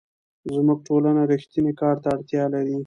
زموږ ټولنه رښتیني کار ته اړتیا لري.